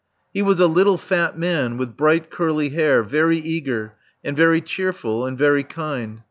He was a little fat man with bright, curly hair, very eager, and very cheerful and very kind.